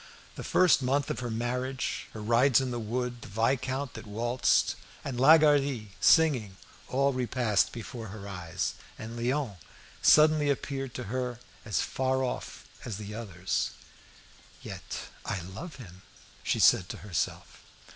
The first month of her marriage, her rides in the wood, the viscount that waltzed, and Lagardy singing, all repassed before her eyes. And Léon suddenly appeared to her as far off as the others. "Yet I love him," she said to herself.